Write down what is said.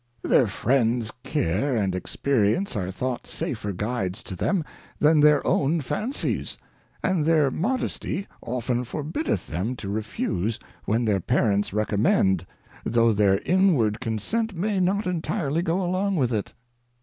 their Friends Care and Experience are thought safer Guides to them, than their own Fancies ; and their Modesty often for biddeth them to refuse when their Parents recommend, though their inivard Consent may not entirely go along with it.